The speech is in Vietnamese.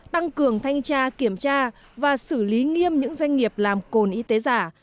tăng cường thanh tra kiểm tra và xử lý nghiêm những doanh nghiệp làm cồn y tế giả